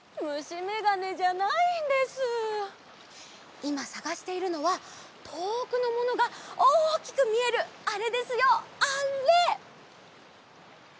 いまさがしているのはとおくのものがおおきくみえるあれですよあれ！